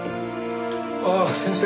ああ先生